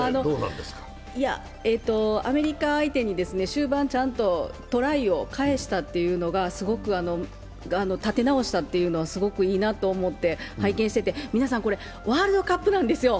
アメリカ相手に終盤ちゃんとトライを返したというのが立て直したというのがすごくいいなと思って拝見してて、皆さん、これワールドカップなんですよ、